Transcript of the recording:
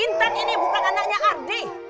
intan ini bukan anaknya ardi